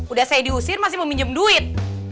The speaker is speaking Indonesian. udah saya diusir masih mau minjem duit